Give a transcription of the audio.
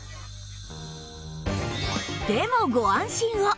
でもご安心を！